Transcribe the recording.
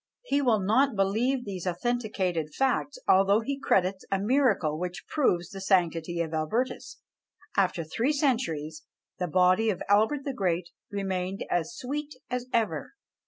He will not believe these authenticated facts, although he credits a miracle which proves the sanctity of Albertus, after three centuries, the body of Albert the Great remained as sweet as ever!